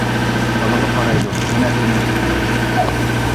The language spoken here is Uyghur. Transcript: بالىغا قارايدۇ، يەنە ئۆينىڭ ئىشلىرىنى قىلىدۇ.